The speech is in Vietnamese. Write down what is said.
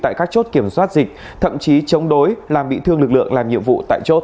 tại các chốt kiểm soát dịch thậm chí chống đối làm bị thương lực lượng làm nhiệm vụ tại chốt